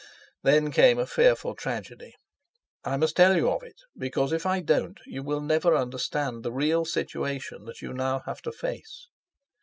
Then came a fearful tragedy. I must tell you of it because if I don't you will never understand the real situation that you have now to face.